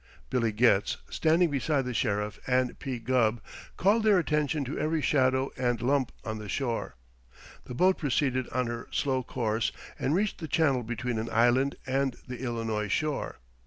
Billy Getz, standing beside the Sheriff and P. Gubb, called their attention to every shadow and lump on the shore. The boat proceeded on her slow course and reached the channel between an island and the Illinois shore.